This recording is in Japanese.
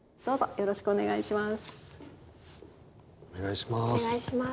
よろしくお願いします。